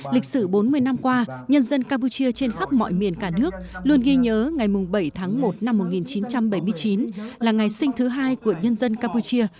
lịch sử bốn mươi năm qua nhân dân campuchia trên khắp mọi miền cả nước luôn ghi nhớ ngày bảy tháng một năm một nghìn chín trăm bảy mươi chín là ngày sinh thứ hai của nhân dân campuchia